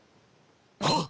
あっ！